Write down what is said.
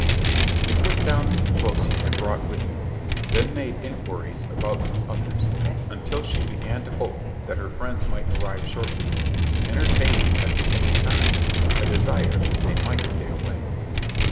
He put down some books he had brought with him, then made inquiries about some others, until she began to hope that her friends might arrive shortly, entertaining at the same time a desire that they might stay away.